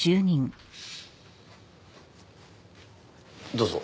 どうぞ。